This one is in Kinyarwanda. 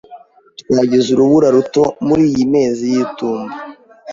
Twagize urubura ruto muriyi mezi y'itumba.